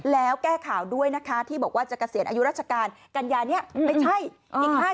แล้วแก้ข่าวด้วยนะคะที่บอกว่าจะเกษียณอายุราชการกัญญานี้ไม่ใช่อีก๕๐